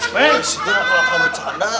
neng kalau kamu bercanda